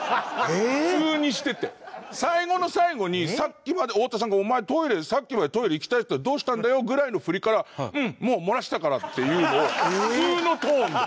最後の最後にさっきまで太田さんが「お前トイレさっきまでトイレ行きたいって言ってたけどどうしたんだよ？」ぐらいの振りから「うんもう漏らしたから」っていうのを普通のトーンで。